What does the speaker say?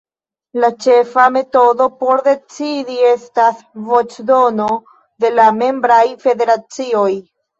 La ĉefa metodo por decidi estas voĉdono de la membraj federacioj.